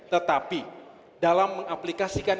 tetapi dalam mengaplikasikan